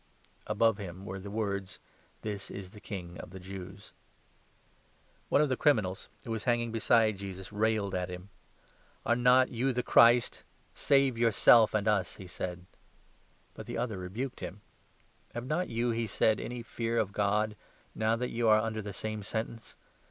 Above him were the words — 38 'THIS IS THE KING OF THE JEWS.' The One of the criminals who were hanging beside 39 penitent Jesus railed at him. Robber. « Are notyou the Christ? Save yourself and us," he said. But the other rebuked him. 40 " Have not you," he said, "any fear of God, now that you are under the same sentence